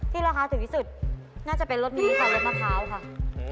ราคาถึงที่สุดน่าจะเป็นรสนี้ค่ะรสมะพร้าวค่ะ